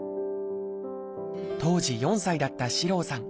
当時４歳だった四郎さん。